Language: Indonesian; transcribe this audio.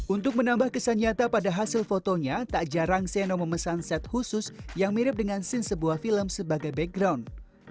untuk menambah kesan nyata pada hasil fotonya tak jarang seno memesan set khusus yang mirip dengan scene sebuah film sebagai background